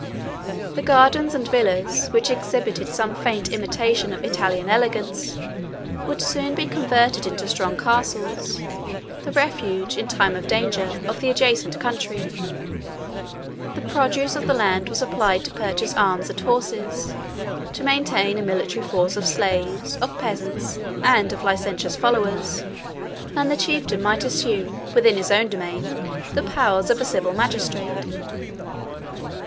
The gardens and villas, which exhibited some faint imitation of Italian elegance, would soon be converted into strong castles, the refuge, in time of danger, of the adjacent country: 184 the produce of the land was applied to purchase arms and horses; to maintain a military force of slaves, of peasants, and of licentious followers; and the chieftain might assume, within his own domain, the powers of a civil magistrate.